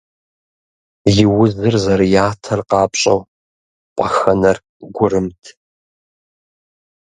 И узыр зэрыятэр къапщӏэу, пӏэхэнэр гурымт.